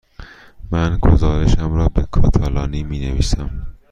من گزارشم را به کاتالانی می نویسم.